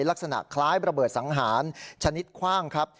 ลักษณะคล้ายระเบิดสังหารชนิดคว่างครับ